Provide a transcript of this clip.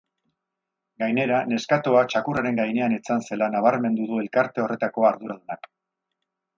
Gainera, neskatoa txakurraren gainean etzan zela nabarmendu du elkarte horretako arduradunak.